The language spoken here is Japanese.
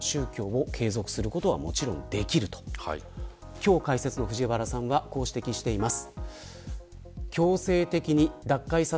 今日解説の藤原さんはこう指摘しています。